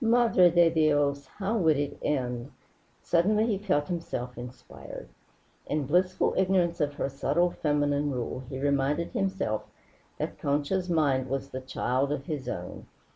Madre de Dios! How would it end? Suddenly he felt himself inspired. In blissful ignorance of her subtle feminine rule, he reminded himself that Concha's mind was the child of his own.